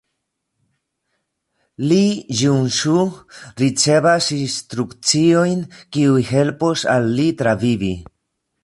Lee Jung-soo ricevas instrukciojn kiuj helpos al li travivi.